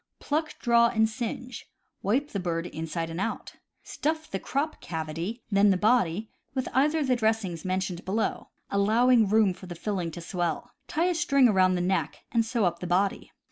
— Pluck, draw, and singe. Wipe the bird inside and out. Stuff the crop cavity, then the body, with either of the dressings mentioned below, allowing room for the filling to swell. Tie a string around the neck, and sew up the body.